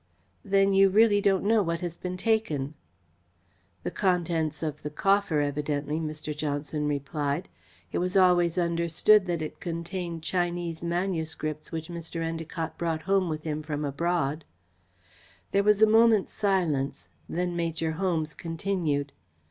"Then you really don't know what has been taken?" "The contents of the coffer evidently," Mr. Johnson replied. "It was always understood that it contained Chinese manuscripts which Mr. Endacott brought home with him from abroad." There was a moment's silence. Then Major Holmes continued.